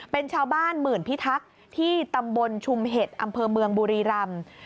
เป็นชาวบ้านหมื่นพิทักษ์ที่ตำบลชุมเห็ดอำเภอเมืองบุรีรำ